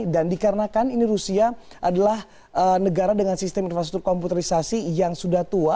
dan dikarenakan ini rusia adalah negara dengan sistem infrastruktur komputerisasi yang sudah tua